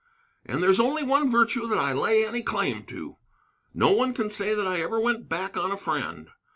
And there's only one virtue that I lay any claim to, no one can say that I ever went back on a friend.